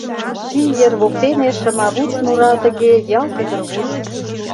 Ший ер воктене шымавуч Мура тыге ялт ӱдырвуч.